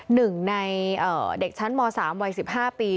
หนึ่งในเด็กชั้นม๓วัย๑๕ปี